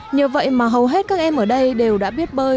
nhờ vậy mà hầu hết các em ở đây đều đã biết bơi